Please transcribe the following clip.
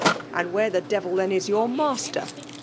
'* ''And where the devil then is your master?"